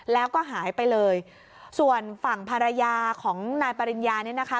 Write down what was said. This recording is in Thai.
แล้วก็หายไปเลยส่วนฝั่งภรรยาของนายปริญญาเนี่ยนะคะ